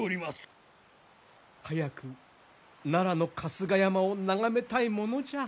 早く奈良の春日山を眺めたいものじゃ。